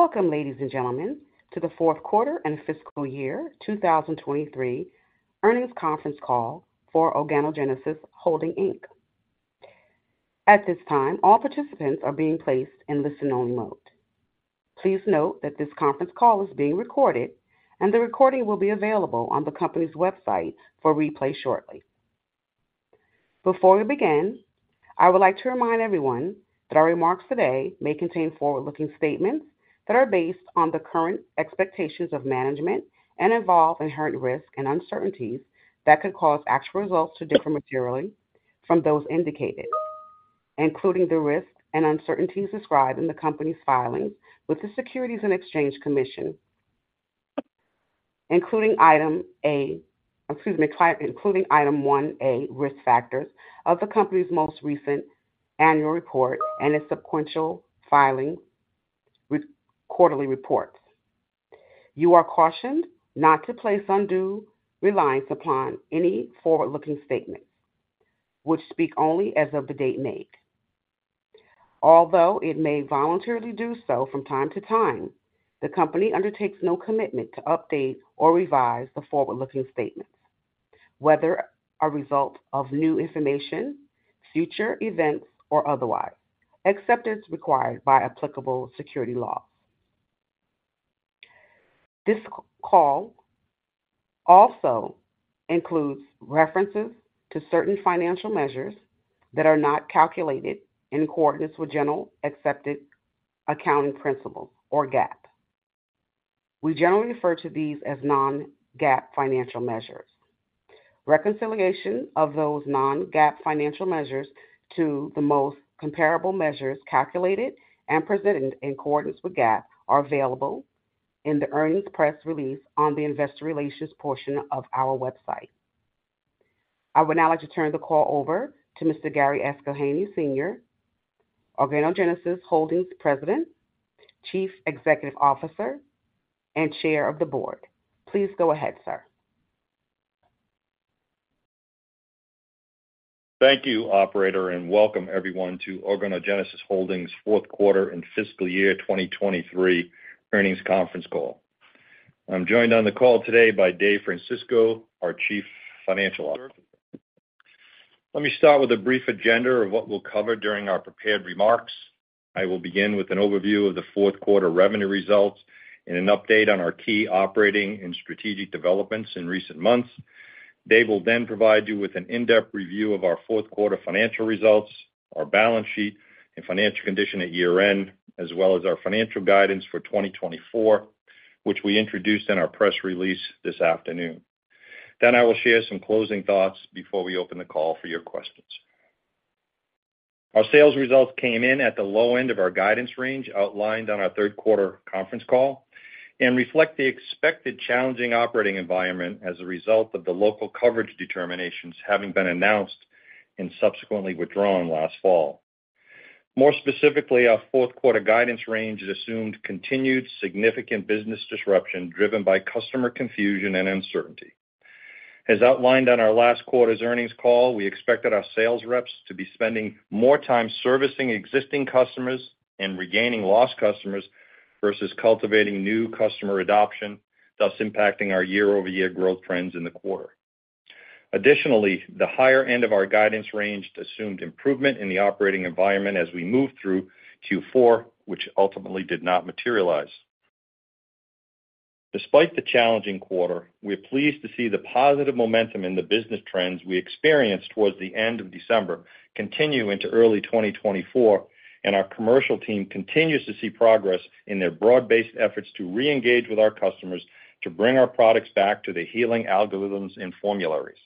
Welcome, ladies and gentlemen, to the fourth quarter and fiscal year 2023 earnings conference call for Organogenesis Holdings Inc. At this time, all participants are being placed in listen-only mode. Please note that this conference call is being recorded, and the recording will be available on the company's website for replay shortly. Before we begin, I would like to remind everyone that our remarks today may contain forward-looking statements that are based on the current expectations of management and involve inherent risk and uncertainties that could cause actual results to differ materially from those indicated, including the risk and uncertainties described in the company's filings with the Securities and Exchange Commission, including Item 1A, risk factors, of the company's most recent annual report and its subsequent quarterly reports. You are cautioned not to place undue reliance upon any forward-looking statements, which speak only as of the date made. Although it may voluntarily do so from time to time, the company undertakes no commitment to update or revise the forward-looking statements, whether a result of new information, future events, or otherwise, except as required by applicable security laws. This call also includes references to certain financial measures that are not calculated in accordance with generally accepted accounting principles, or GAAP. We generally refer to these as non-GAAP financial measures. Reconciliation of those non-GAAP financial measures to the most comparable measures calculated and presented in accordance with GAAP are available in the earnings press release on the investor relations portion of our website. I would now like to turn the call over to Mr. Gary S. Gillheeney, Sr., Organogenesis Holdings President, Chief Executive Officer, and Chair of the Board. Please go ahead, Sir. Thank you, Operator, and welcome everyone to Organogenesis Holdings' fourth quarter and fiscal year 2023 earnings conference call. I'm joined on the call today by Dave Francisco, our Chief Financial Officer. Let me start with a brief agenda of what we'll cover during our prepared remarks. I will begin with an overview of the fourth quarter revenue results and an update on our key operating and strategic developments in recent months. Dave will then provide you with an in-depth review of our fourth quarter financial results, our balance sheet, and financial condition at year-end, as well as our financial guidance for 2024, which we introduced in our press release this afternoon. I will share some closing thoughts before we open the call for your questions. Our sales results came in at the low end of our guidance range outlined on our third quarter conference call and reflect the expected challenging operating environment as a result of the local coverage determinations having been announced and subsequently withdrawn last fall. More specifically, our fourth quarter guidance range has assumed continued significant business disruption driven by customer confusion and uncertainty. As outlined on our last quarter's earnings call, we expected our sales reps to be spending more time servicing existing customers and regaining lost customers versus cultivating new customer adoption, thus impacting our year-over-year growth trends in the quarter. Additionally, the higher end of our guidance range assumed improvement in the operating environment as we moved through Q4, which ultimately did not materialize. Despite the challenging quarter, we are pleased to see the positive momentum in the business trends we experienced towards the end of December continue into early 2024, and our commercial team continues to see progress in their broad-based efforts to reengage with our customers to bring our products back to the healing algorithms and formularies.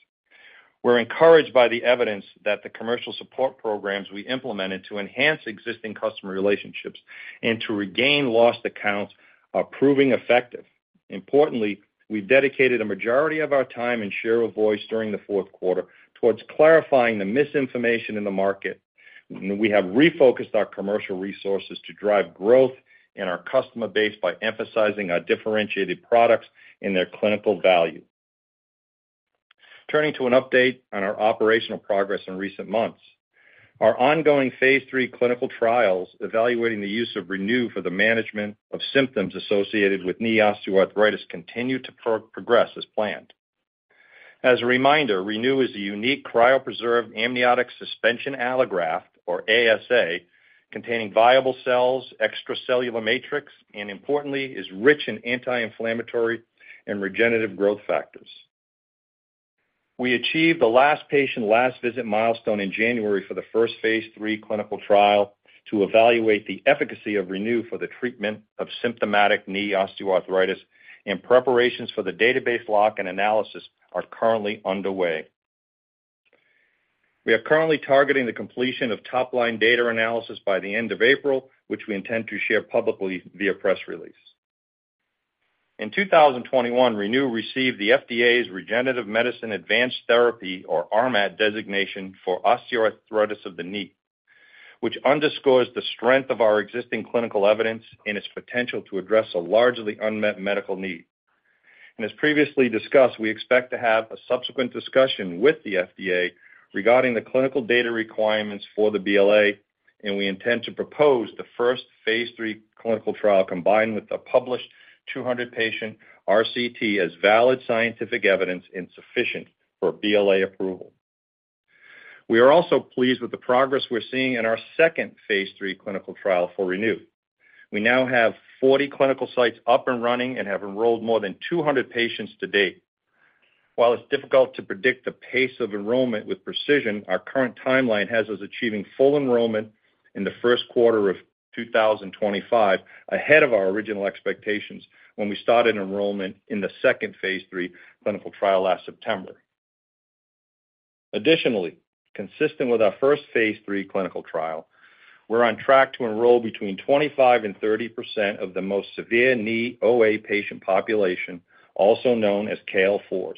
We're encouraged by the evidence that the commercial support programs we implemented to enhance existing customer relationships and to regain lost accounts are proving effective. Importantly, we dedicated a majority of our time and share of voice during the fourth quarter towards clarifying the misinformation in the market, and we have refocused our commercial resources to drive growth in our customer base by emphasizing our differentiated products and their clinical value. Turning to an update on our operational progress in recent months, our ongoing phase III clinical trials evaluating the use of ReNu for the management of symptoms associated with knee osteoarthritis continue to progress as planned. As a reminder, ReNu is a unique cryopreserved amniotic suspension allograft, or ASA, containing viable cells, extracellular matrix, and importantly, is rich in anti-inflammatory and regenerative growth factors. We achieved the last patient last visit milestone in January for the first phase III clinical trial to evaluate the efficacy of ReNu for the treatment of symptomatic knee osteoarthritis, and preparations for the database lock and analysis are currently underway. We are currently targeting the completion of top-line data analysis by the end of April, which we intend to share publicly via press release. In 2021, ReNu received the FDA's Regenerative Medicine Advanced Therapy, or RMAT, designation for osteoarthritis of the knee, which underscores the strength of our existing clinical evidence and its potential to address a largely unmet medical need. And as previously discussed, we expect to have a subsequent discussion with the FDA regarding the clinical data requirements for the BLA, and we intend to propose the first phase III clinical trial combined with the published 200-patient RCT as valid scientific evidence and sufficient for BLA approval. We are also pleased with the progress we're seeing in our second phase III clinical trial for ReNu. We now have 40 clinical sites up and running and have enrolled more than 200 patients to date. While it's difficult to predict the pace of enrollment with precision, our current timeline has us achieving full enrollment in the first quarter of 2025 ahead of our original expectations when we started enrollment in the second phase III clinical trial last September. Additionally, consistent with our first phase III clinical trial, we're on track to enroll between 25% and 30% of the most severe knee OA patient population, also known as KL4s.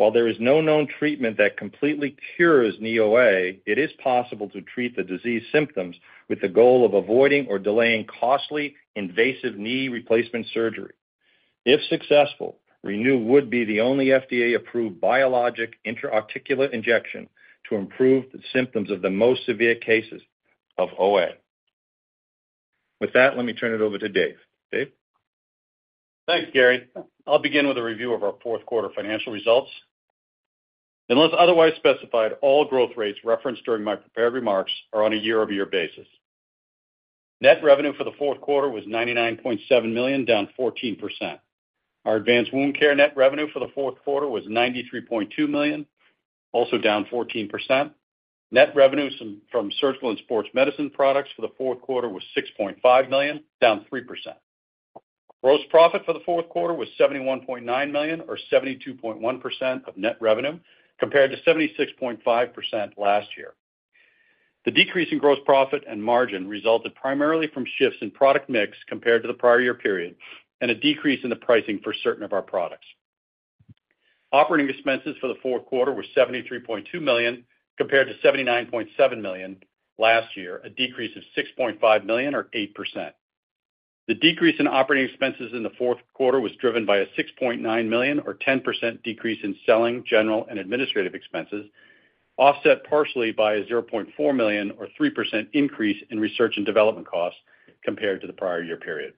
While there is no known treatment that completely cures knee OA, it is possible to treat the disease symptoms with the goal of avoiding or delaying costly invasive knee replacement surgery. If successful, ReNu would be the only FDA-approved biologic intra-articular injection to improve the symptoms of the most severe cases of OA. With that, let me turn it over to Dave. Dave? Thanks, Gary. I'll begin with a review of our fourth quarter financial results. Unless otherwise specified, all growth rates referenced during my prepared remarks are on a year-over-year basis. Net revenue for the fourth quarter was $99.7 million, down 14%. Our advanced wound care net revenue for the fourth quarter was $93.2 million, also down 14%. Net revenue from surgical and sports medicine products for the fourth quarter was $6.5 million, down 3%. Gross profit for the fourth quarter was $71.9 million, or 72.1% of net revenue compared to 76.5% last year. The decrease in gross profit and margin resulted primarily from shifts in product mix compared to the prior year period and a decrease in the pricing for certain of our products. Operating expenses for the fourth quarter were $73.2 million compared to $79.7 million last year, a decrease of $6.5 million, or 8%. The decrease in operating expenses in the fourth quarter was driven by a $6.9 million, or 10%, decrease in selling, general, and administrative expenses, offset partially by a $0.4 million, or 3%, increase in research and development costs compared to the prior year period.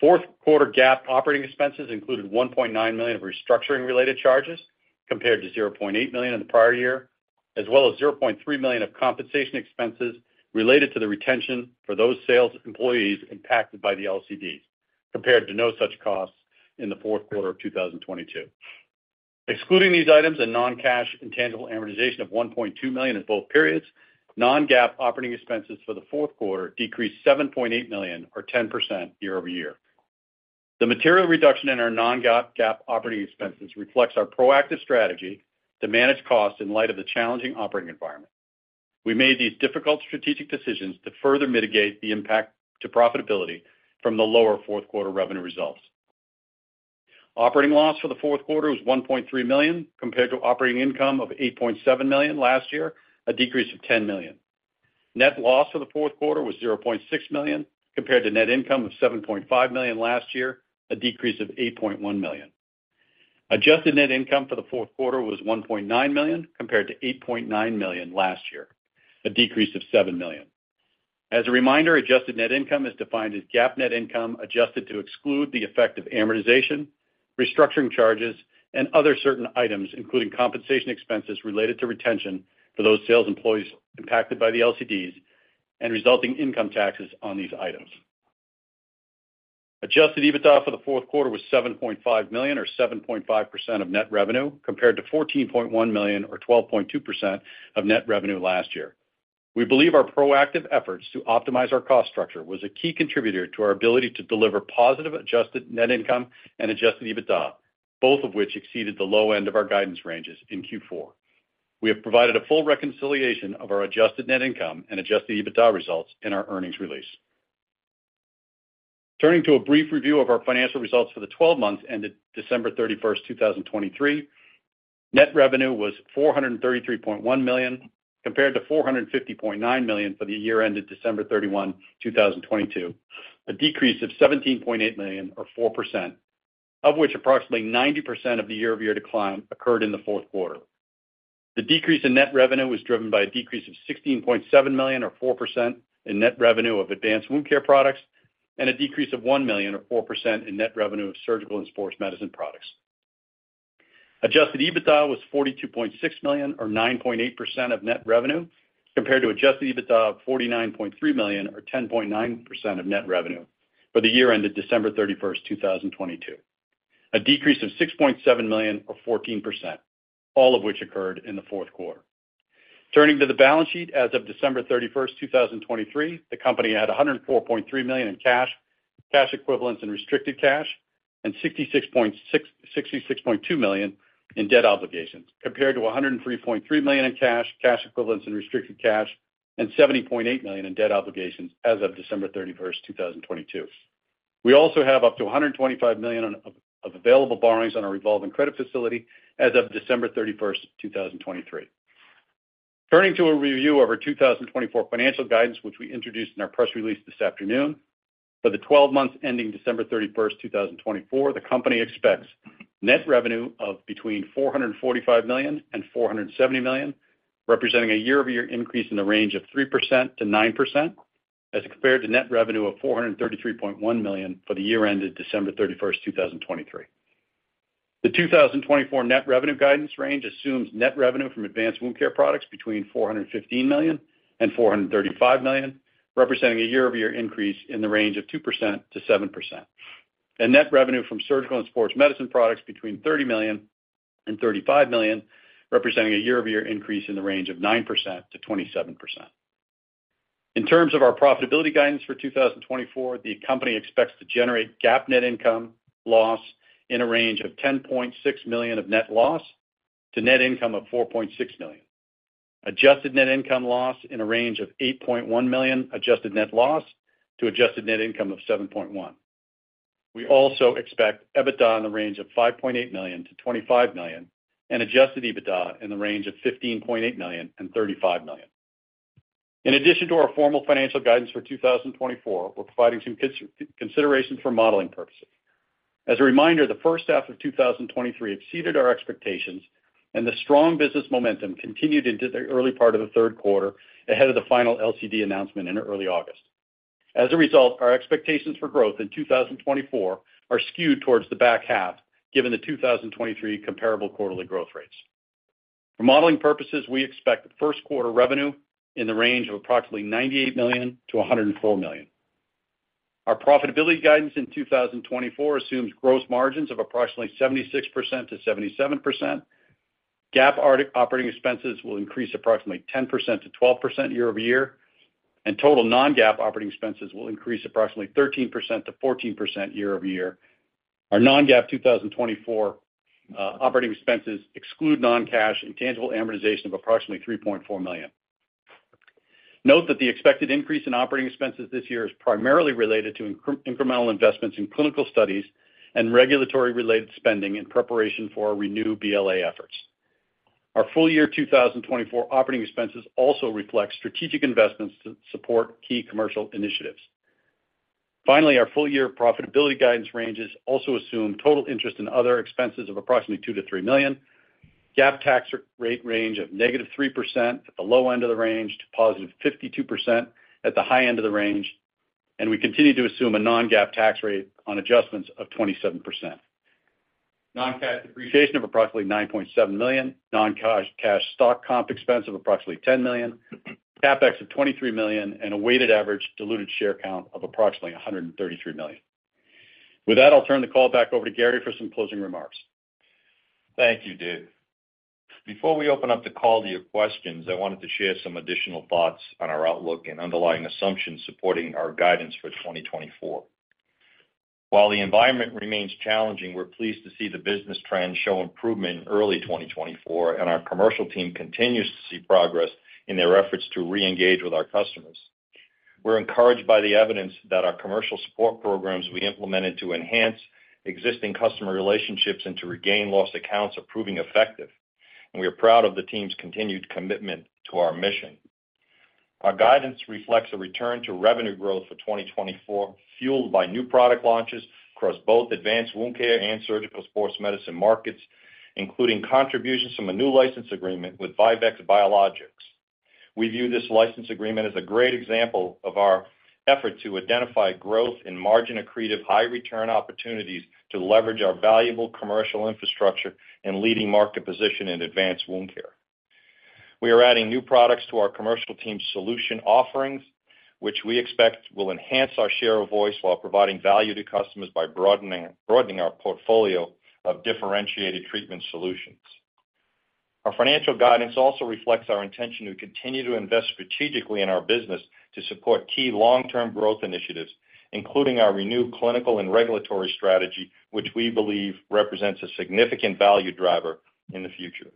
Fourth quarter GAAP operating expenses included $1.9 million of restructuring-related charges compared to $0.8 million in the prior year, as well as $0.3 million of compensation expenses related to the retention for those sales employees impacted by the LCDs compared to no such costs in the fourth quarter of 2022. Excluding these items and non-cash intangible amortization of $1.2 million in both periods, non-GAAP operating expenses for the fourth quarter decreased $7.8 million, or 10%, year-over-year. The material reduction in our non-GAAP operating expenses reflects our proactive strategy to manage costs in light of the challenging operating environment. We made these difficult strategic decisions to further mitigate the impact to profitability from the lower fourth quarter revenue results. Operating loss for the fourth quarter was $1.3 million compared to operating income of $8.7 million last year, a decrease of $10 million. Net loss for the fourth quarter was $0.6 million compared to net income of $7.5 million last year, a decrease of $8.1 million. Adjusted net income for the fourth quarter was $1.9 million compared to $8.9 million last year, a decrease of $7 million. As a reminder, adjusted net income is defined as GAAP net income adjusted to exclude the effect of amortization, restructuring charges, and other certain items, including compensation expenses related to retention for those sales employees impacted by the LCDs and resulting income taxes on these items. Adjusted EBITDA for the fourth quarter was $7.5 million, or 7.5%, of net revenue compared to $14.1 million, or 12.2%, of net revenue last year. We believe our proactive efforts to optimize our cost structure were a key contributor to our ability to deliver positive adjusted net income and adjusted EBITDA, both of which exceeded the low end of our guidance ranges in Q4. We have provided a full reconciliation of our adjusted net income and adjusted EBITDA results in our earnings release. Turning to a brief review of our financial results for the 12 months ended December 31st, 2023, net revenue was $433.1 million compared to $450.9 million for the year ended December 31, 2022, a decrease of $17.8 million, or 4%, of which approximately 90% of the year-over-year decline occurred in the fourth quarter. The decrease in net revenue was driven by a decrease of $16.7 million, or 4%, in net revenue of advanced wound care products and a decrease of $1 million, or 4%, in net revenue of surgical and sports medicine products. Adjusted EBITDA was $42.6 million, or 9.8%, of net revenue compared to adjusted EBITDA of $49.3 million, or 10.9%, of net revenue for the year ended December 31st, 2022, a decrease of $6.7 million, or 14%, all of which occurred in the fourth quarter. Turning to the balance sheet, as of December 31st, 2023, the company had $104.3 million in cash, cash equivalents, and restricted cash, and $66.2 million in debt obligations compared to $103.3 million in cash, cash equivalents, and restricted cash, and $70.8 million in debt obligations as of December 31st, 2022. We also have up to $125 million of available borrowings on our revolving credit facility as of December 31st, 2023. Turning to a review of our 2024 financial guidance, which we introduced in our press release this afternoon, for the 12 months ending December 31st, 2024, the company expects net revenue of between $445 million and $470 million, representing a year-over-year increase in the range of 3%-9% as compared to net revenue of $433.1 million for the year ended December 31st, 2023. The 2024 net revenue guidance range assumes net revenue from advanced wound care products between $415 million and $435 million, representing a year-over-year increase in the range of 2%-7%, and net revenue from surgical and sports medicine products between $30 million and $35 million, representing a year-over-year increase in the range of 9%-27%. In terms of our profitability guidance for 2024, the company expects to generate GAAP net income loss in a range of $10.6 million of net loss to net income of $4.6 million, adjusted net income loss in a range of $8.1 million adjusted net loss to adjusted net income of $7.1. We also expect EBITDA in the range of $5.8 million-$25 million and adjusted EBITDA in the range of $15.8 million and $35 million. In addition to our formal financial guidance for 2024, we're providing some considerations for modeling purposes. As a reminder, the first half of 2023 exceeded our expectations, and the strong business momentum continued into the early part of the third quarter ahead of the final LCD announcement in early August. As a result, our expectations for growth in 2024 are skewed towards the back half given the 2023 comparable quarterly growth rates. For modeling purposes, we expect first quarter revenue in the range of approximately $98 million-$104 million. Our profitability guidance in 2024 assumes gross margins of approximately 76%-77%. GAAP operating expenses will increase approximately 10%-12% year-over-year, and total non-GAAP operating expenses will increase approximately 13%-14% year-over-year. Our non-GAAP 2024 operating expenses exclude non-cash intangible amortization of approximately $3.4 million. Note that the expected increase in operating expenses this year is primarily related to incremental investments in clinical studies and regulatory-related spending in preparation for our ReNu BLA efforts. Our full year 2024 operating expenses also reflect strategic investments to support key commercial initiatives. Finally, our full year profitability guidance ranges also assume total interest and other expenses of approximately $2 million-$3 million, GAAP tax rate range of -3% at the low end of the range to +52% at the high end of the range, and we continue to assume a non-GAAP tax rate on adjustments of 27%, non-cash depreciation of approximately $9.7 million, non-cash stock comp expense of approximately $10 million, CapEx of $23 million, and a weighted average diluted share count of approximately 133 million. With that, I'll turn the call back over to Gary for some closing remarks. Thank you, Dave. Before we open up the call to your questions, I wanted to share some additional thoughts on our outlook and underlying assumptions supporting our guidance for 2024. While the environment remains challenging, we're pleased to see the business trends show improvement in early 2024, and our commercial team continues to see progress in their efforts to reengage with our customers. We're encouraged by the evidence that our commercial support programs we implemented to enhance existing customer relationships and to regain lost accounts are proving effective, and we are proud of the team's continued commitment to our mission. Our guidance reflects a return to revenue growth for 2024 fueled by new product launches across both advanced wound care and surgical sports medicine markets, including contributions from a new license agreement with VIVEX Biologics. We view this license agreement as a great example of our effort to identify growth in margin-accretive high-return opportunities to leverage our valuable commercial infrastructure and leading market position in advanced wound care. We are adding new products to our commercial team's solution offerings, which we expect will enhance our share of voice while providing value to customers by broadening our portfolio of differentiated treatment solutions. Our financial guidance also reflects our intention to continue to invest strategically in our business to support key long-term growth initiatives, including our ReNu clinical and regulatory strategy, which we believe represents a significant value driver in the future.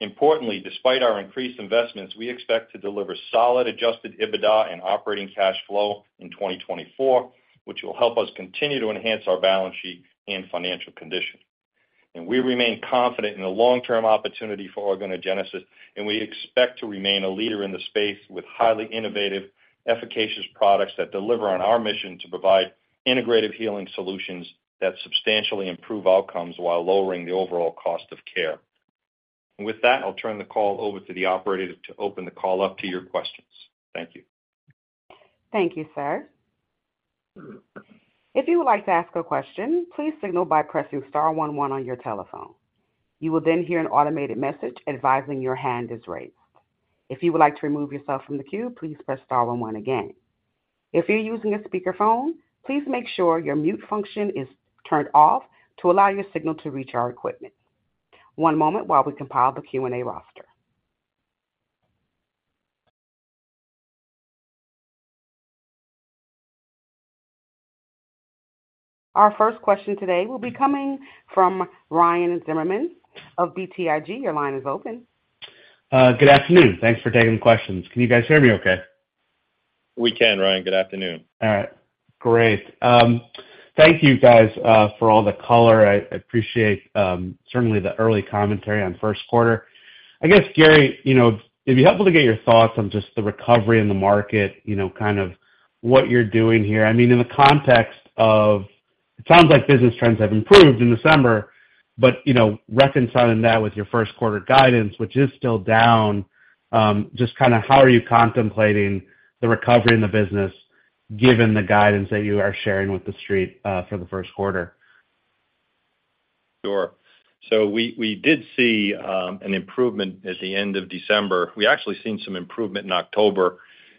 Importantly, despite our increased investments, we expect to deliver solid adjusted EBITDA and operating cash flow in 2024, which will help us continue to enhance our balance sheet and financial condition. We remain confident in the long-term opportunity for Organogenesis, and we expect to remain a leader in the space with highly innovative, efficacious products that deliver on our mission to provide integrative healing solutions that substantially improve outcomes while lowering the overall cost of care. With that, I'll turn the call over to the operator to open the call up to your questions. Thank you. Thank you, Sir. If you would like to ask a question, please signal by pressing star one one on your telephone. You will then hear an automated message advising your hand is raised. If you would like to remove yourself from the queue, please press star one one again. If you're using a speakerphone, please make sure your mute function is turned off to allow your signal to reach our equipment. One moment while we compile the Q&A roster. Our first question today will be coming from Ryan Zimmerman of BTIG. Your line is open. Good afternoon. Thanks for taking the questions. Can you guys hear me okay? We can, Ryan. Good afternoon. All right. Great. Thank you, guys, for all the color. I appreciate, certainly, the early commentary on first quarter. I guess, Gary, it'd be helpful to get your thoughts on just the recovery in the market, kind of what you're doing here. I mean, in the context of it sounds like business trends have improved in December, but reconciling that with your first quarter guidance, which is still down, just kind of how are you contemplating the recovery in the business given the guidance that you are sharing with the street for the first quarter? Sure. So we did see an improvement at the end of December. We actually seen some improvement in October,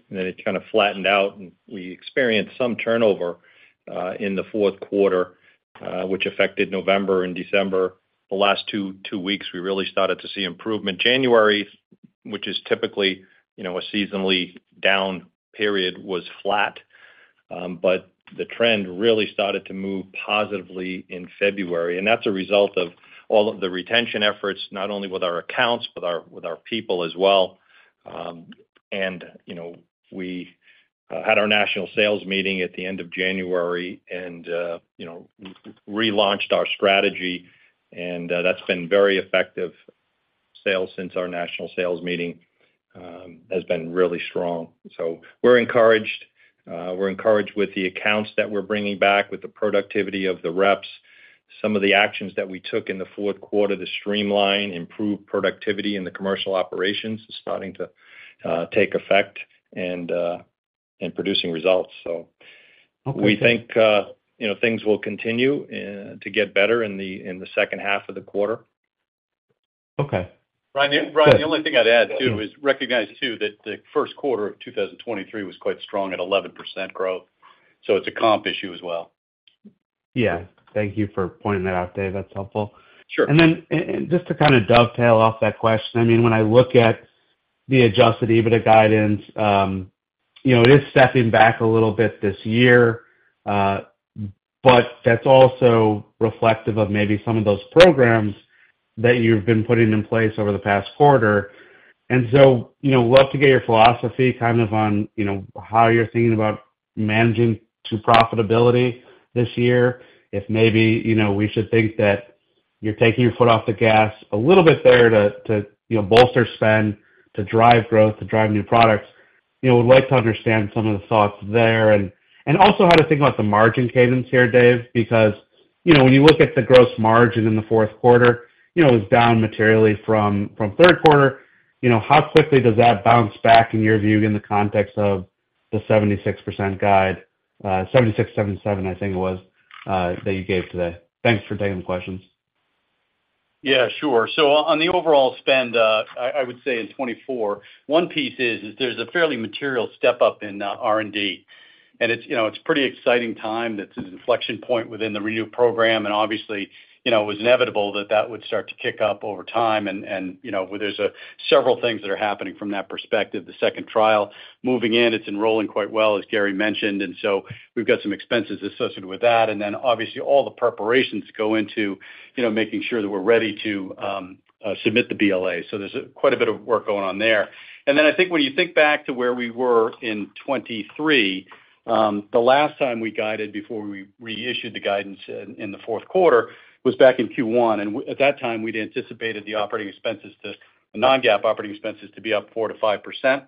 and then it kind of flattened out. And we experienced some turnover in the fourth quarter, which affected November and December. The last two weeks, we really started to see improvement. January, which is typically a seasonally down period, was flat, but the trend really started to move positively in February. And that's a result of all of the retention efforts, not only with our accounts, but with our people as well. And we had our national sales meeting at the end of January and relaunched our strategy. And that's been very effective. Sales since our national sales meeting has been really strong. We're encouraged with the accounts that we're bringing back, with the productivity of the reps, some of the actions that we took in the fourth quarter to streamline, improve productivity in the commercial operations is starting to take effect and producing results. We think things will continue to get better in the second half of the quarter. Okay. Ryan, the only thing I'd add, too, is recognize, too, that the first quarter of 2023 was quite strong at 11% growth. So it's a comp issue as well. Yeah. Thank you for pointing that out, Dave. That's helpful. And then just to kind of dovetail off that question, I mean, when I look at the adjusted EBITDA guidance, it is stepping back a little bit this year, but that's also reflective of maybe some of those programs that you've been putting in place over the past quarter. And so love to get your philosophy kind of on how you're thinking about managing to profitability this year, if maybe we should think that you're taking your foot off the gas a little bit there to bolster spend, to drive growth, to drive new products. Would like to understand some of the thoughts there and also how to think about the margin cadence here, Dave, because when you look at the gross margin in the fourth quarter, it was down materially from third quarter. How quickly does that bounce back, in your view, in the context of the 76% guide. 76%-77%, I think it was, that you gave today? Thanks for taking the questions. Yeah, sure. So on the overall spend, I would say in 2024, one piece is there's a fairly material step up in R&D. And it's a pretty exciting time that's an inflection point within the ReNu program. And obviously, it was inevitable that that would start to kick up over time. And there's several things that are happening from that perspective. The second trial moving in, it's enrolling quite well, as Gary mentioned. And so we've got some expenses associated with that. And then, obviously, all the preparations go into making sure that we're ready to submit the BLA. So there's quite a bit of work going on there. And then I think when you think back to where we were in 2023, the last time we guided before we reissued the guidance in the fourth quarter was back in Q1. At that time, we'd anticipated the non-GAAP operating expenses to be up 4%-5%.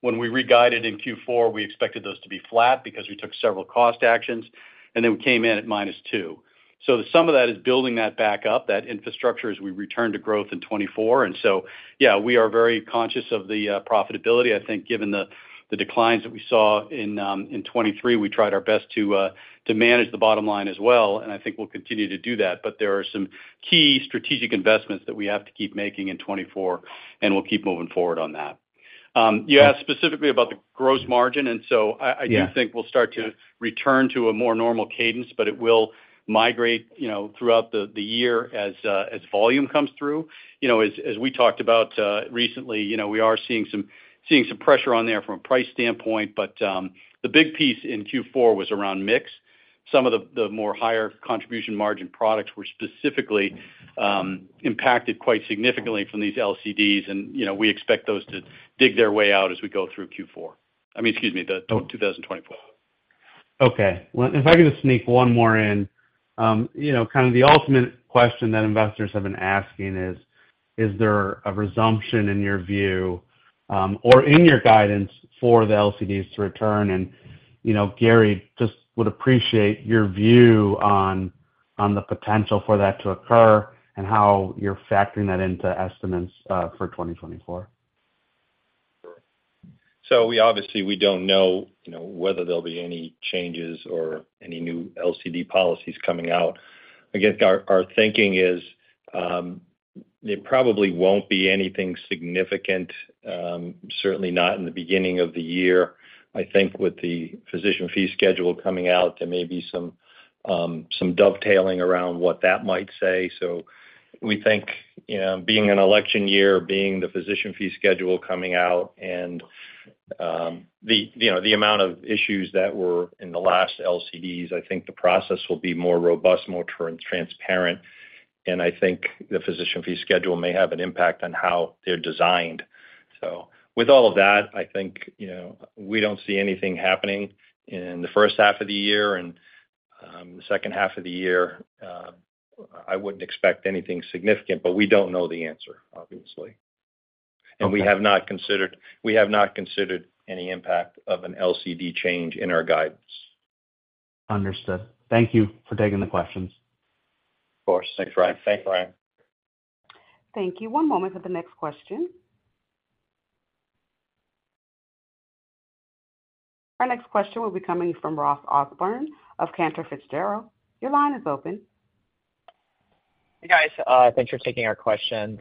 When we reguided in Q4, we expected those to be flat because we took several cost actions, and then we came in at -2%. So some of that is building that back up, that infrastructure as we return to growth in 2024. And so, yeah, we are very conscious of the profitability. I think given the declines that we saw in 2023, we tried our best to manage the bottom line as well. And I think we'll continue to do that. But there are some key strategic investments that we have to keep making in 2024, and we'll keep moving forward on that. You asked specifically about the gross margin. And so I do think we'll start to return to a more normal cadence, but it will migrate throughout the year as volume comes through. As we talked about recently, we are seeing some pressure on there from a price standpoint. But the big piece in Q4 was around mix. Some of the more higher contribution margin products were specifically impacted quite significantly from these LCDs, and we expect those to dig their way out as we go through Q4, I mean, excuse me, 2024. Okay. Well, if I could just sneak one more in, kind of the ultimate question that investors have been asking is, is there a resumption, in your view or in your guidance, for the LCDs to return? And Gary just would appreciate your view on the potential for that to occur and how you're factoring that into estimates for 2024. Sure. So obviously, we don't know whether there'll be any changes or any new LCD policies coming out. I guess our thinking is there probably won't be anything significant, certainly not in the beginning of the year. I think with the physician fee schedule coming out, there may be some dovetailing around what that might say. So we think being an election year, being the physician fee schedule coming out and the amount of issues that were in the last LCDs, I think the process will be more robust, more transparent. And I think the physician fee schedule may have an impact on how they're designed. So with all of that, I think we don't see anything happening in the first half of the year. And the second half of the year, I wouldn't expect anything significant, but we don't know the answer, obviously. We have not considered any impact of an LCD change in our guidance. Understood. Thank you for taking the questions. Of course. Thanks, Ryan. Thanks, Ryan. Thank you. One moment for the next question. Our next question will be coming from Ross Osborn of Cantor Fitzgerald. Your line is open. Hey, guys. Thanks for taking our questions.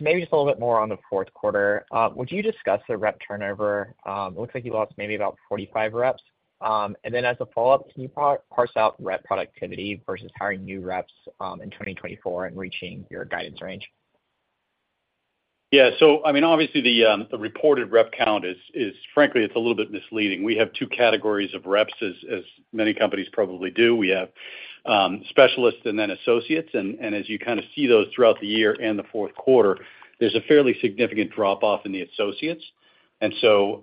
Maybe just a little bit more on the fourth quarter. Would you discuss the rep turnover? It looks like you lost maybe about 45 reps. And then as a follow-up, can you parse out rep productivity versus hiring new reps in 2024 and reaching your guidance range? Yeah. So I mean, obviously, the reported rep count is frankly, it's a little bit misleading. We have two categories of reps, as many companies probably do. We have specialists and then associates. And as you kind of see those throughout the year and the fourth quarter, there's a fairly significant drop-off in the associates. And so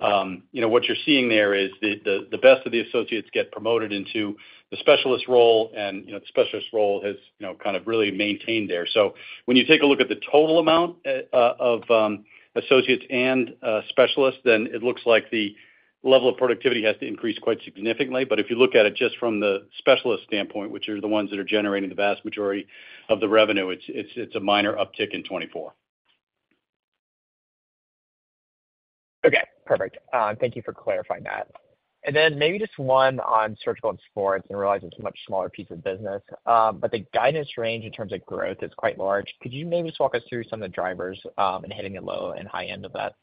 what you're seeing there is the best of the associates get promoted into the specialist role, and the specialist role has kind of really maintained there. So when you take a look at the total amount of associates and specialists, then it looks like the level of productivity has to increase quite significantly. But if you look at it just from the specialist standpoint, which are the ones that are generating the vast majority of the revenue, it's a minor uptick in 2024. Okay. Perfect. Thank you for clarifying that. And then maybe just one on surgical and sports and realizing it's a much smaller piece of business, but the guidance range in terms of growth is quite large. Could you maybe just walk us through some of the drivers in hitting the low and high end of that?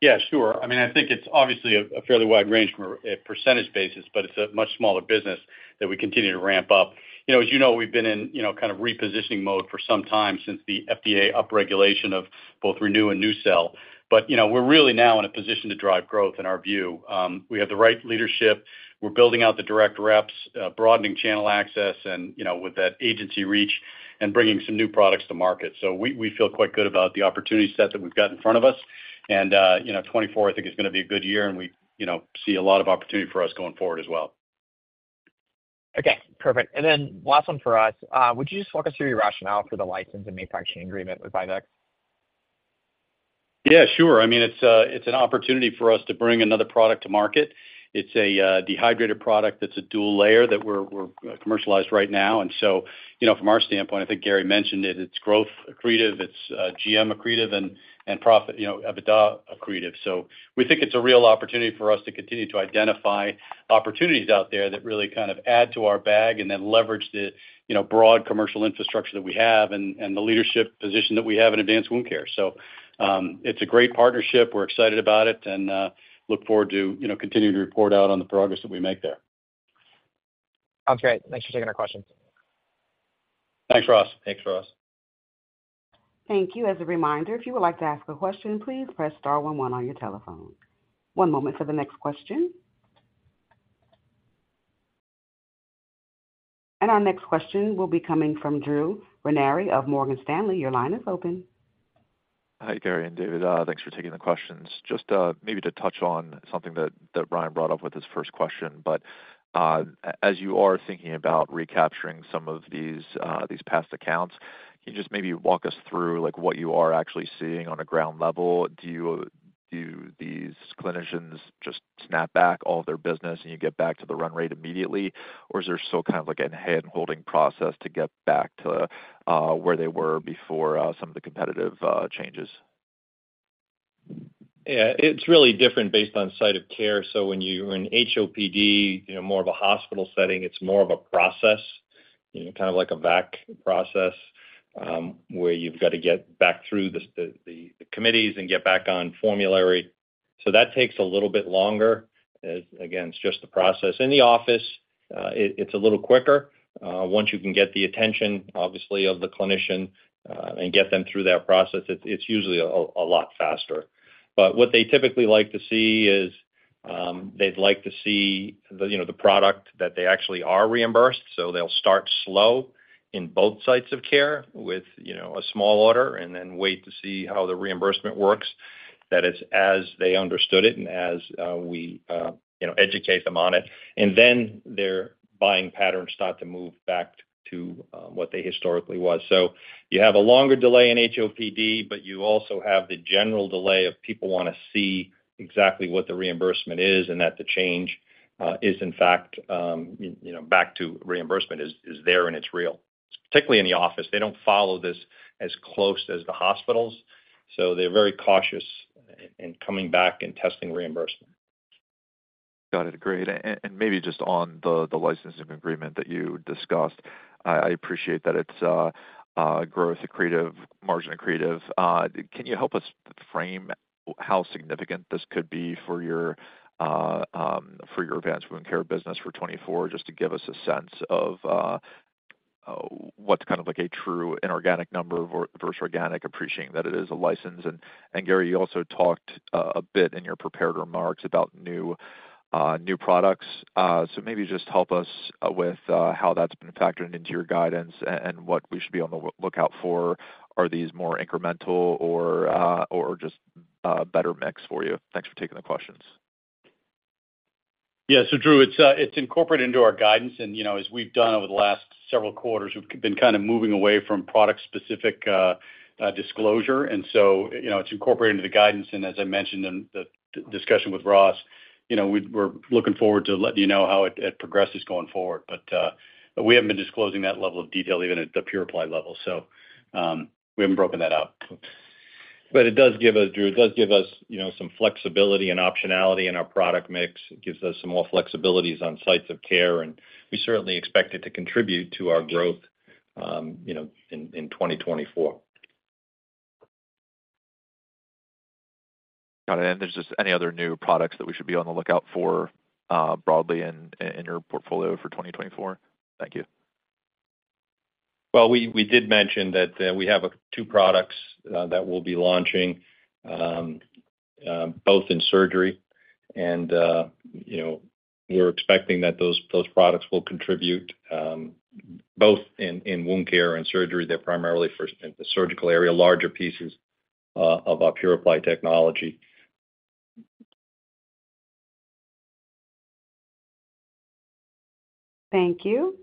Yeah, sure. I mean, I think it's obviously a fairly wide range from a percentage basis, but it's a much smaller business that we continue to ramp up. As you know, we've been in kind of repositioning mode for some time since the FDA upregulation of both ReNu and NuCel. But we're really now in a position to drive growth, in our view. We have the right leadership. We're building out the direct reps, broadening channel access, and with that agency reach and bringing some new products to market. So we feel quite good about the opportunity set that we've got in front of us. And 2024, I think, is going to be a good year, and we see a lot of opportunity for us going forward as well. Okay. Perfect. And then last one for us, would you just walk us through your rationale for the license and manufacturing agreement with VIVEX? Yeah, sure. I mean, it's an opportunity for us to bring another product to market. It's a dehydrated product that's a dual layer that we're commercialized right now. And so from our standpoint, I think Gary mentioned it. It's growth accretive. It's GM accretive and EBITDA accretive. So we think it's a real opportunity for us to continue to identify opportunities out there that really kind of add to our bag and then leverage the broad commercial infrastructure that we have and the leadership position that we have in advanced wound care. So it's a great partnership. We're excited about it and look forward to continuing to report out on the progress that we make there. Sounds great. Thanks for taking our questions. Thanks, Ross. Thanks, Ross. Thank you. As a reminder, if you would like to ask a question, please press star one one on your telephone. One moment for the next question. Our next question will be coming from Drew Ranieri of Morgan Stanley. Your line is open. Hi, Gary and David. Thanks for taking the questions. Just maybe to touch on something that Ryan brought up with his first question. But as you are thinking about recapturing some of these past accounts, can you just maybe walk us through what you are actually seeing on a ground level? Do these clinicians just snap back all of their business, and you get back to the run rate immediately, or is there still kind of a hand-holding process to get back to where they were before some of the competitive changes? Yeah. It's really different based on site of care. So when you're in HOPD, more of a hospital setting, it's more of a process, kind of like a VAC process where you've got to get back through the committees and get back on formulary. So that takes a little bit longer. Again, it's just the process. In the office, it's a little quicker. Once you can get the attention, obviously, of the clinician and get them through that process, it's usually a lot faster. But what they typically like to see is they'd like to see the product that they actually are reimbursed. So they'll start slow in both sites of care with a small order and then wait to see how the reimbursement works, that it's as they understood it and as we educate them on it. Then their buying patterns start to move back to what they historically was. So you have a longer delay in HOPD, but you also have the general delay of people want to see exactly what the reimbursement is and that the change is, in fact, back to reimbursement is there and it's real, particularly in the office. They don't follow this as close as the hospitals. So they're very cautious in coming back and testing reimbursement. Got it. Great. And maybe just on the licensing agreement that you discussed, I appreciate that it's growth accretive, margin accretive. Can you help us frame how significant this could be for your advanced wound care business for 2024, just to give us a sense of what's kind of a true inorganic number versus organic, appreciating that it is a license? And Gary, you also talked a bit in your prepared remarks about new products. So maybe just help us with how that's been factored into your guidance and what we should be on the lookout for. Are these more incremental or just a better mix for you? Thanks for taking the questions. Yeah. So Drew, it's incorporated into our guidance. And as we've done over the last several quarters, we've been kind of moving away from product-specific disclosure. And so it's incorporated into the guidance. And as I mentioned in the discussion with Ross, we're looking forward to letting you know how it progresses going forward. But we haven't been disclosing that level of detail even at the PuraPly level. So we haven't broken that up. But it does give us Drew, it does give us some flexibility and optionality in our product mix. It gives us some more flexibilities on sites of care. And we certainly expect it to contribute to our growth in 2024. Got it. And there's just any other new products that we should be on the lookout for broadly in your portfolio for 2024? Thank you. Well, we did mention that we have two products that we'll be launching both in surgery. We're expecting that those products will contribute both in wound care and surgery. They're primarily for the surgical area, larger pieces of our PuraPly technology. Thank you.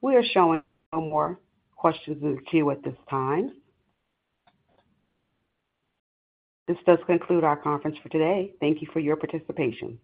We are showing no more questions in the queue at this time. This does conclude our conference for today. Thank you for your participation.